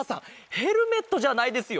ヘルメットじゃないですよ。